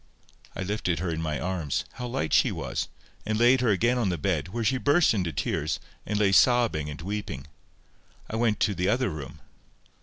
I lifted her in my arms—how light she was!—and laid her again on the bed, where she burst into tears, and lay sobbing and weeping. I went to the other room.